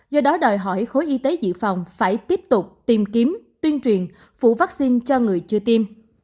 do đó đòi hỏi khối y tế dự phòng phải tiếp tục tìm kiếm tuyên truyền phủ vaccine cho người chưa tiêm